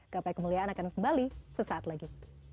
gapai kemuliaan akan kembali sesaat lagi